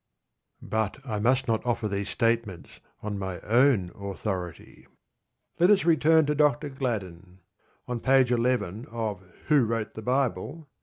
But I must not offer these statements on my own authority. Let us return to Dr. Gladden. On page 11 of _Who Wrote the Bible?